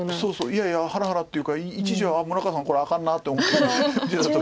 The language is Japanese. いやいやハラハラっていうか一時は村川さんこれあかんなって思ったような時もあったんですが。